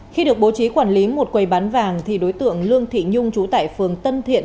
khi được bố trí quản lý một quầy bán vàng thì đối tượng lương thị nhung trú tại phường tân thiện